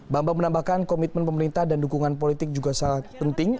bambang menambahkan komitmen pemerintah dan dukungan politik juga sangat penting